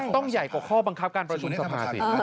ใหญ่กว่าข้อบังคับการประชุมสภาสิ